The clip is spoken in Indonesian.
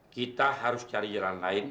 kita harus cari jalan lain